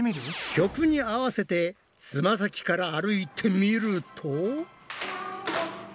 曲に合わせてつま先から歩いてみると。